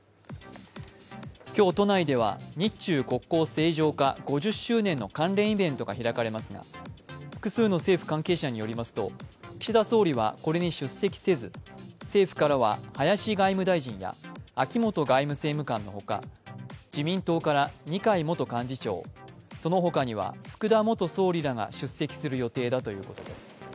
今日都内では日中国交正常化５０周年の関連イベントが開かれますが複数の政府関係者によりますと岸田総理はこれに出席せず政府からは林外務大臣や秋本外務政務官のほか自民党から二階元幹事長そのほかには福田元総理らが出席する予定だということです。